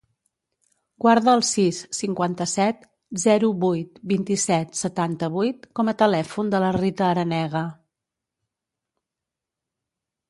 Guarda el sis, cinquanta-set, zero, vuit, vint-i-set, setanta-vuit com a telèfon de la Rita Aranega.